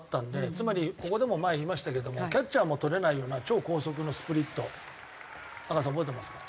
つまりここでも前言いましたけどもキャッチャーも捕れないような超高速のスプリット阿川さん覚えてますか？